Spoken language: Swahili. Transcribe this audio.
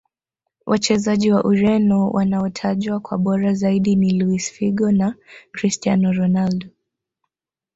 Wachezaji wa ureno wanaotajwa kuwa bora zaidi ni luis figo na cristiano ronaldo